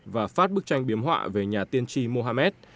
và phát bức tranh biếm họa về nhà tiên tri mohamed